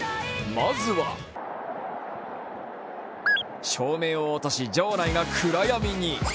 まずは照明を落とし城内が暗闇に。